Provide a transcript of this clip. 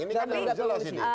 ini kan jelas